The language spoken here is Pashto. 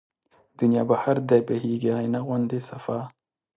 دنيا بحر دی بهيږي آينه غوندې صفا